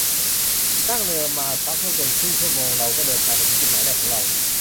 นั่งเรือมาสักไม่เกินครึ่งชั่วโมงเราก็เดินทางมาถึงจุดหมายแรกของเรา